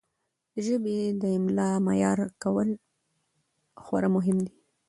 د ژبې د املاء معیار کول خورا مهم دي.